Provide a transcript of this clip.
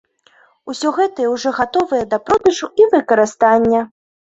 Усё гэта ўжо гатовае да продажу і выкарыстання.